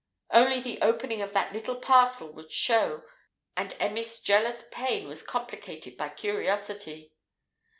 Only the opening of that little parcel would show, and Emmy's jealous pain was complicated by curiosity.